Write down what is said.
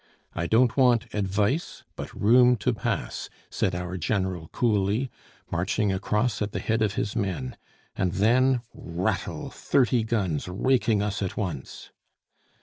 'I don't want advice, but room to pass,' said our General coolly, marching across at the head of his men. And then, rattle, thirty guns raking us at once."